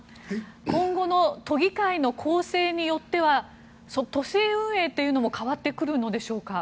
今後の都議会の構成によっては都政運営も変わってくるのでしょうか。